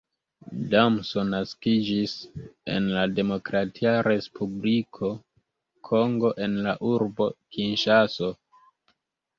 Damso naskiĝis en la Demokratia Respubliko Kongo en la urbo Kinŝaso.